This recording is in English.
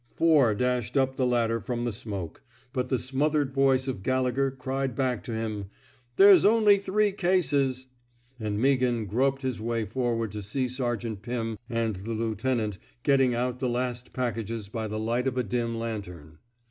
Four dashed up the ladder from the smoke; but the smothered voice of Gallegher cried back to him: There *s only three cases; '* and Meaghan groped his way forward to see Sergeant Pim and the lieutenant getting out the last packages by the light of a dim lantern.